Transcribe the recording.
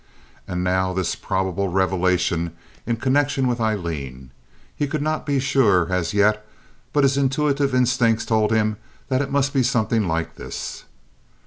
And now this probable revelation in connection with Aileen. He could not be sure as yet, but his intuitive instincts told him that it must be something like this.